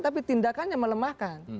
tapi tindakannya melemahkan